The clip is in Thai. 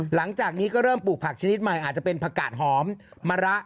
หลังจากนี้ก็เริ่มปลูกผักชนิดใหม่อาจจะเป็นผักกาดหอมมะระ